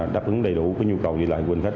đáp ứng đầy đủ nhu cầu đi lại của hành khách